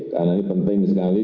karena ini penting sekali